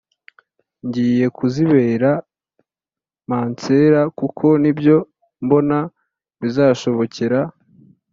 ngiye kuzibera mansera kuko nibyo mbona bizashobokera